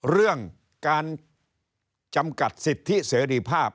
เรื่องการจำกัดสิทธิเสรีภาพ